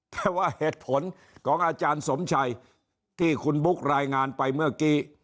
แต่ว่าเหตุผลของอาจารย์สมชัยที่คุณบุ๊ครายงานไปเมื่อกี้